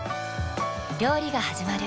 料理がはじまる。